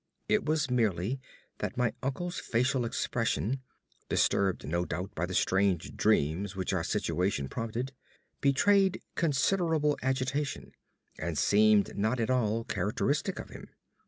It was merely that my uncle's facial expression, disturbed no doubt by the strange dreams which our situation prompted, betrayed considerable agitation, and seemed not at all characteristic of him.